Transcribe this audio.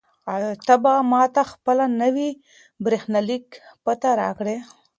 آیا ته به ماته خپله نوې بریښنالیک پته راکړې؟